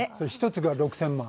１つが６０００万。